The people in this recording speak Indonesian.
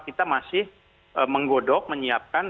kita masih menggodok menyiapkan